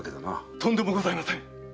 とんでもございません。